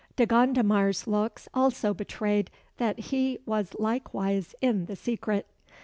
De Gondomar's looks also betrayed that he was likewise in the secret.